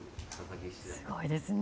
すごいですね。